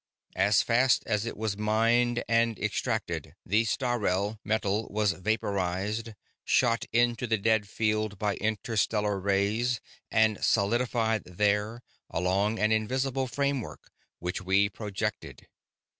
"As fast as it was mined and extracted, the Sthalreh metal was vaporized, shot into the dead field by interstellar rays, and solidified there along an invisible framework which we projected.